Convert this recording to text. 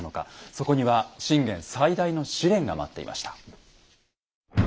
そこには信玄最大の試練が待っていました。